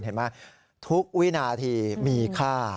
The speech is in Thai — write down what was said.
เห็นไหมทุกวินาทีมีค่า